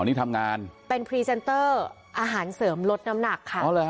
นี่ทำงานเป็นพรีเซนเตอร์อาหารเสริมลดน้ำหนักค่ะ